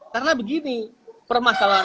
karena begini permasalahan